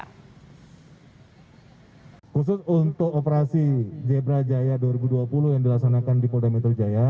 pada saat ini perusahaan pemerintah dan perusahaan perusahaan perusahaan yang berpengaruh untuk melakukan operasi zebra jaya dua ribu dua puluh di polda metro jaya